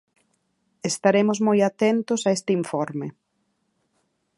Estaremos moi atentos a este informe.